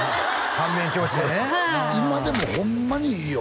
反面教師でねはい今でもホンマにいいよ